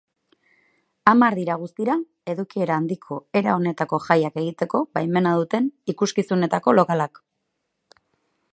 Hamar dira guztira edukiera handiko era honetako jaiak egiteko baimena duten ikuskizunetako lokalak.